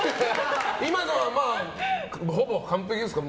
今のはほぼ完璧ですか？